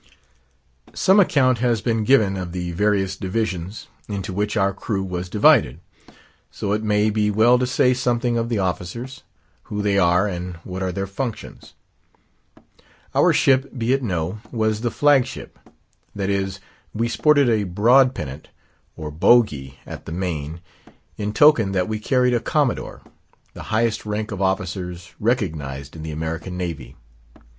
Some account has been given of the various divisions into which our crew was divided; so it may be well to say something of the officers; who they are, and what are their functions. Our ship, be it know, was the flag ship; that is, we sported a broad pennant, or bougee, at the main, in token that we carried a Commodore—the highest rank of officers recognised in the American navy.